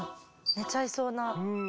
寝ちゃいそうな。